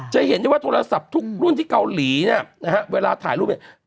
จะเห็นได้ว่าโทรศัพท์ทุกรุ่นที่เกาหลีเนี่ยนะฮะเวลาถ่ายรูปเนี่ย